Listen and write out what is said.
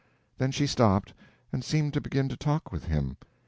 Then she stopped, and seemed to begin to talk with him.